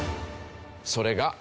それが。